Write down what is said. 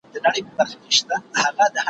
تاسو چي ول دا کتاب به چا اخيستی وي